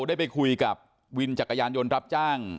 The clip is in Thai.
ได้ไปคุยกับวินจักรยานยนต์รับจ้าง